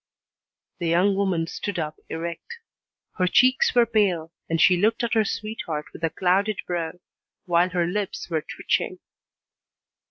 The young woman stood up erect. Her cheeks were pale, and she looked at her sweetheart with a clouded brow, while her lips were twitching.